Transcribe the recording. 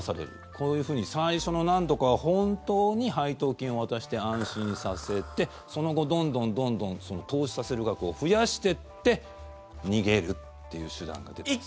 こういうふうに最初の何度かは本当に配当金を渡して安心させてその後、どんどんどんどん投資させる額を増やしていって逃げるっていう手段が出ています。